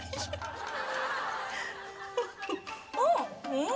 うん。